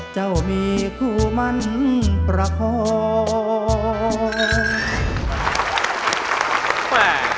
เจ้ามีคู่มันประคอง